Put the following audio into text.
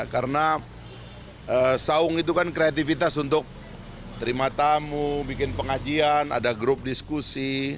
karena saung itu kan kreativitas untuk terima tamu bikin pengajian ada grup diskusi